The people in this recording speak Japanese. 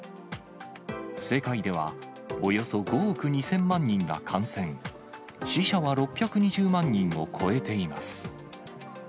世界では、およそ５億２０００万人が感染、死者は６２０万人を超えています。